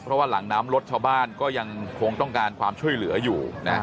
เพราะว่าหลังน้ำลดชาวบ้านก็ยังคงต้องการความช่วยเหลืออยู่นะ